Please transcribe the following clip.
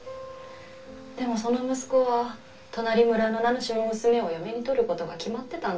でもその息子は隣村の名主の娘を嫁に取ることが決まってたんだよ。